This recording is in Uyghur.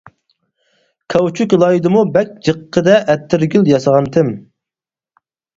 كاۋچۇك لايدىمۇ بەك جىققىدە ئەتىرگۈل ياسىغانتىم.